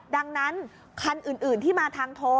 ดังนั้นคันอื่นที่มาทางโทร